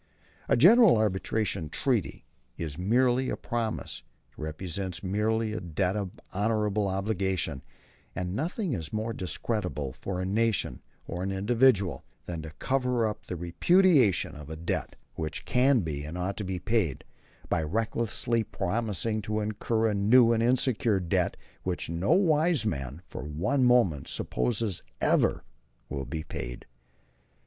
A general arbitration treaty is merely a promise; it represents merely a debt of honorable obligation; and nothing is more discreditable, for a nation or an individual, than to cover up the repudiation of a debt which can be and ought to be paid, by recklessly promising to incur a new and insecure debt which no wise man for one moment supposes ever will be paid.